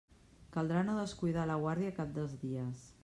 Caldrà no descuidar la guàrdia cap dels dies.